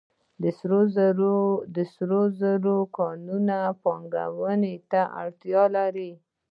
د سرو زرو کانونه پانګونې ته اړتیا لري